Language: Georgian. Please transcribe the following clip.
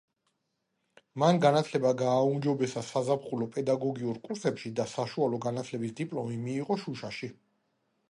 მან განათლება გააუმჯობესა საზაფხულო პედაგოგიურ კურსებში და საშუალო განათლების დიპლომი მიიღო შუშაში.